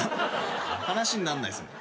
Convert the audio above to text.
話になんないすね。